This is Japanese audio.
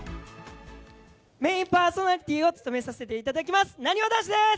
メインパーソナリティーを務めさせていただきます、なにわ男子です。